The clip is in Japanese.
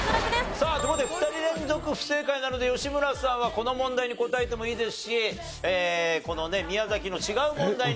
さあという事で２人連続不正解なので吉村さんはこの問題に答えてもいいですしこの宮崎の違う問題に変えてもいいです。